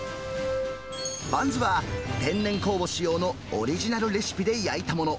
バンズは天然酵母使用のオリジナルレシピで焼いたもの。